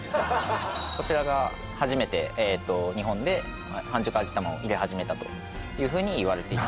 こちらが初めて日本で半熟味玉を入れ始めたというふうにいわれています